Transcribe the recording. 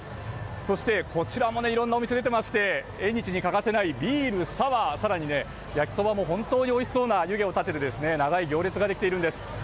そして、こちらもいろいろなお店が出ていまして縁日に欠かせないビール、サワー焼きそばも本当においしそうな湯気を立てて長い行列ができているんです。